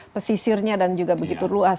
pesisirnya dan juga begitu luas